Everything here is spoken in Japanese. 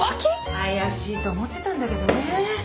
怪しいと思ってたんだけどね。